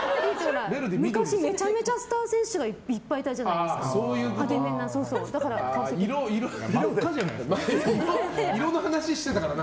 昔めちゃめちゃスター選手がいっぱいいたじゃないですか真っ赤じゃないですか。